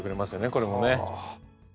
これもね。